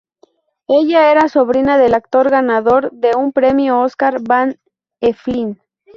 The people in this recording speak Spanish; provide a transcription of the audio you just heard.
Ella era sobrina del actor ganador de un Premio Oscar Van Heflin.